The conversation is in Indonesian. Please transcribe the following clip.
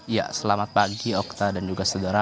ya selamat pagi okta dan juga saudara